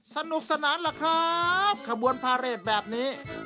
สนุกสนานล่ะครับขบวนพาเรทแบบนี้